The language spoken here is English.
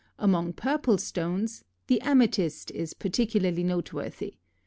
Among purple stones, the amethyst is particularly noteworthy.